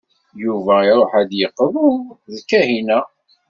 Yuba iṛuḥ ad yeqḍu d Kahina.